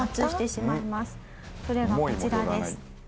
それがこちらです。